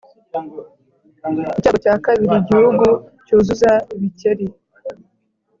icyago cya kabiri igihugu cyuzura ibikeri